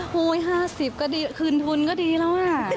๕๐ก็ดีคืนทุนก็ดีแล้วอ่ะ